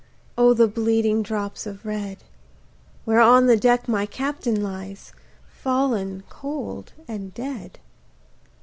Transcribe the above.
O the bleeding drops of red, Where on the deck my Captain lies, Fallen cold and dead.